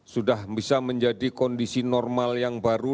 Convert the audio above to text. sudah bisa menjadi kondisi normal yang baru